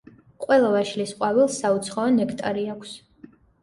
ყველა ვაშლის ყვავილს საუცხოო ნექტარი აქვს.